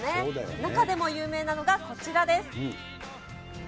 中でも有名なのがこちらです。